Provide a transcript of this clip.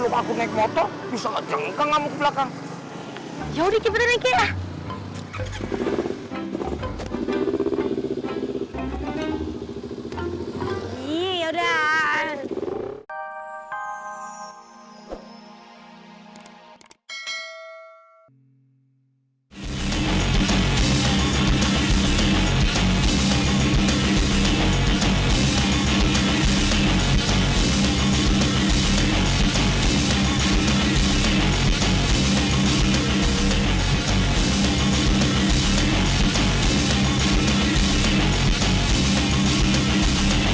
sampai jumpa di video selanjutnya